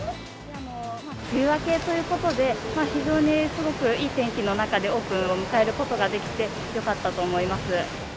梅雨明けということで、非常にすごくいい天気の中でオープンを迎えることができて、よかったと思います。